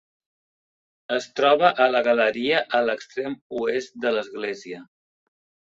Es troba a la galeria a l'extrem oest de l'església.